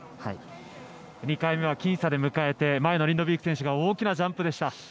２回面は僅差で迎えて前のリンドビーク選手が大きなジャンプでした。